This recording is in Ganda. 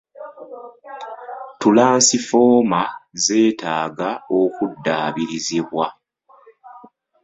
Tulansifooma zetaaga okudaabirizibwa.